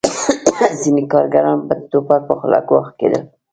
ځینې کارګران به د ټوپک په خوله ګواښل کېدل